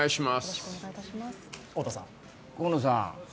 河野さん